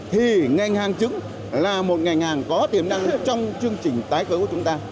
thì ngành hàng trứng là một ngành hàng có tiềm năng trong chương trình tái cấu của chúng ta